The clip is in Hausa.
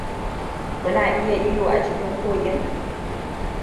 Kuna iya iyo a cikin kogin?